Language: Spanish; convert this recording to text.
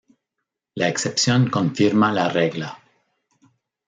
La excepción confirma la regla